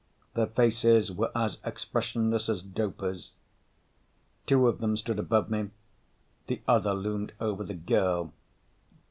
Their faces were as expressionless as dopers. Two of them stood above me. The other loomed over the girl.